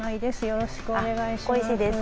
よろしくお願いします。